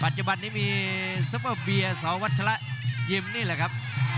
จุบันนี้มีซัปเปอร์เบียร์สวัชละยิมนี่แหละครับ